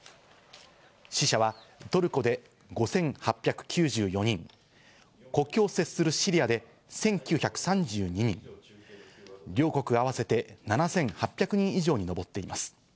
死者はトルコで５８９４人、国境を接するシリアで１９３２人、両国合わせて７８００人以上に上っています。